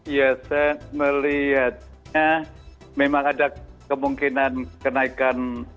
ya saya melihatnya memang ada kemungkinan kenaikan